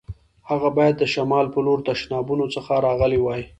هغه باید د شمال په لور تشنابونو څخه راغلی وای.